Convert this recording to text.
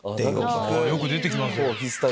よく出てきますよね。